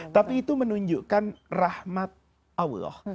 tapi itu menunjukkan rahmat allah